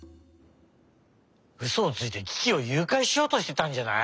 うそをついてキキをゆうかいしようとしてたんじゃない？